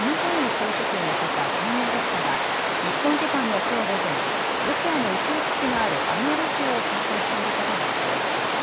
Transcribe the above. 総書記を乗せた専用列車が日本時間のきょう午前、ロシアの宇宙基地があるアムール州を走行していることが分かりました。